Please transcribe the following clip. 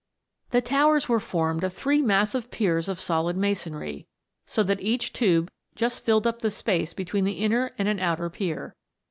* The towers were formed of three massive piers of solid masonry, so that each tube just filled up the space between the inner and an outer pier.